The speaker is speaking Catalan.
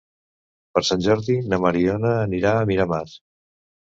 Per Sant Jordi na Mariona anirà a Miramar.